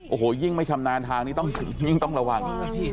โอ้โหยิ่งไม่ชำนาญทางนี้ต้องยิ่งต้องระวัง